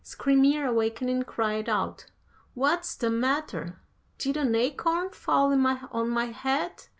Skrymir awakening, cried out "'What's the matter? did an acorn fall on my head?